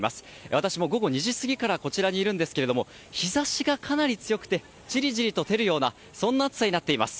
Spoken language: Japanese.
私も午後２時過ぎからこちらにいるんですけれども日差しがかなり強くてジリジリと照るようなそんな暑さになっています。